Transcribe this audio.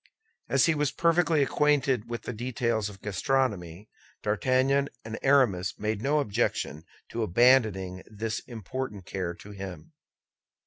As he was perfectly acquainted with the details of gastronomy, D'Artagnan and Aramis made no objection to abandoning this important care to him.